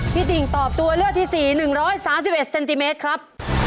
ติ่งตอบตัวเลือกที่๔๑๓๑เซนติเมตรครับ